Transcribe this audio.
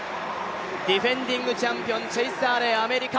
ディフェンディングチャンピオン、チェイス・アーレイ、アメリカ。